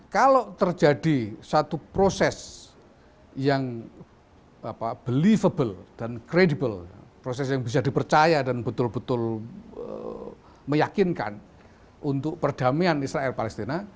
kalau terjadi satu proses yang believable dan credibel proses yang bisa dipercaya dan betul betul meyakinkan untuk perdamaian israel palestina